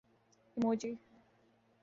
emoji